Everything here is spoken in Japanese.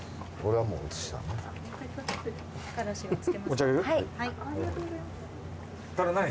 はい。